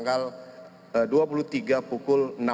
kemudian diperlukan untuk mencari penyelidikan